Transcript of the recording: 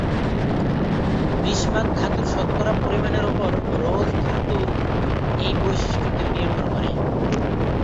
Bismuth ধাতুর শতকরা পরিমাণের উপর রোজ ধাতুর এই বৈশিষ্ট্যটি নির্ভর করে।